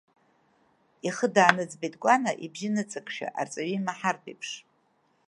Ихы дааныӡбеит Кәана, ибжьы ныҵакшәа, арҵаҩы имаҳартә еиԥш.